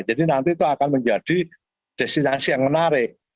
jadi nanti itu akan menjadi destinasi yang menarik